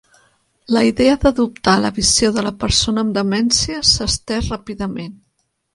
La idea d'adoptar la visió de la persona amb demència s'ha estés ràpidament.